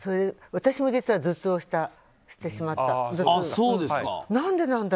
私も実は頭痛をしてしまったんです。